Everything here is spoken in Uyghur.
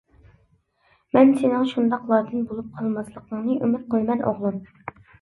مەن سېنىڭ شۇنداقلاردىن بولۇپ قالماسلىقىڭنى ئۈمىد قىلىمەن ئوغلۇم!